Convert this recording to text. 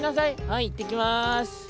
「はいいってきます。